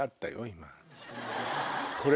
今。